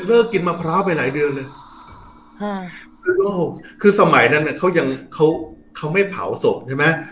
กินมะพร้าวไปหลายเดือนเลยคือสมัยนั้นเขายังเขาเขาไม่เผาศพใช่ไหม